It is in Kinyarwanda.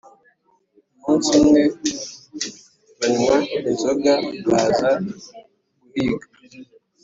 Umunsi umwe, banywa inzoga baza guhiga